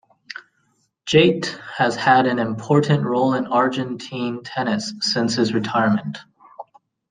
Jaite has had an important role in Argentine tennis since his retirement.